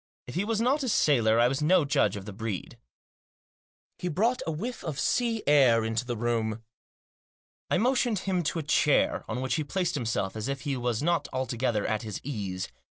If he was not a sailor I was no judge of the breed. He brought a whiff of sea air into the room. I motioned him to a chair, on which he placed himself as if he was not altogether at his ease.